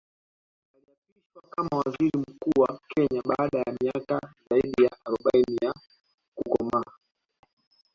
Aliapishwa kama Waziri Mkuu wa Kenya baada ya miaka zaidi ya arobaini ya kukoma